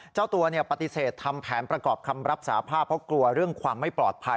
เจ้าตัวปฏิเสธทำแผนประกอบคำรับสาภาพเพราะกลัวเรื่องความไม่ปลอดภัย